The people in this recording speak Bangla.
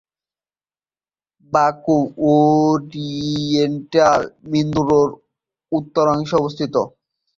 বাকো ওরিয়েন্টাল মিন্দোরোর উত্তর অংশে অবস্থিত।